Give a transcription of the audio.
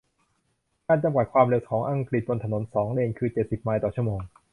การ จำกัด ความเร็วของอังกฤษบนถนนสองเลนคือเจ็ดสิบไมล์ต่อชั่วโมง